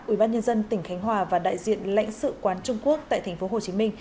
ủy ban nhân dân tỉnh khánh hòa và đại diện lãnh sự quán trung quốc tại tp hcm